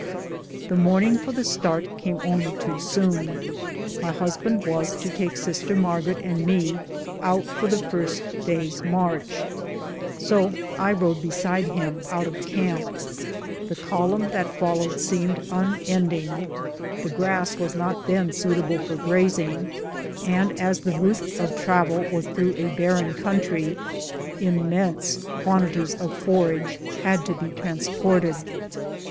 The morning for the start came only too soon. My husband was to take Sister Margaret and me out for the first day's march, so I rode beside him out of camp. The column that followed seemed unending. The grass was not then suitable for grazing, and as the route of travel was through a barren country, immense quantities of forage had to be transported.